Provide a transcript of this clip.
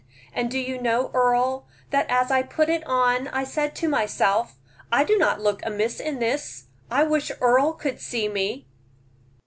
"And do you know, Earle, that as I put it on I said to myself, I do not look amiss in this; I wish Earle could see me."